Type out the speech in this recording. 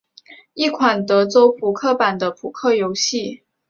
一款德州扑克版的扑克游戏。